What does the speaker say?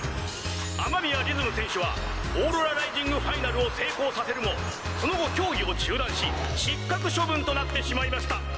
天宮りずむ選手はオーロラライジングフ成功させるもその後競技を中断し失格処分となってしまいました。